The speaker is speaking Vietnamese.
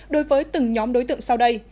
đối với từng nhóm đối tượng sau đây